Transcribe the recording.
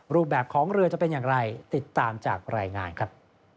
รูปแบบของเรือจะเป็นอย่างไรติดตามจากรายงานครับ